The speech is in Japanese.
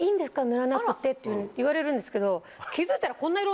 塗らなくて」って言われるんですけど。